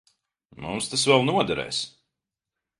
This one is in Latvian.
Mums tas vēl noderēs.